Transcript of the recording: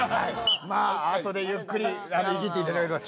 まああとでゆっくりいじっていただきます。